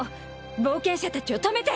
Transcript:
冒険者達を止めて！